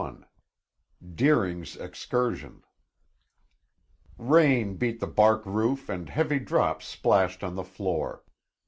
XXI DEERING'S EXCURSION Rain beat the bark roof and heavy drops splashed on the floor.